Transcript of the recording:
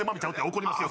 怒りますよ。